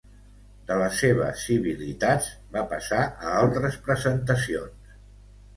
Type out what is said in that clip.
De les seves civilitats, va passar a altres presentacions.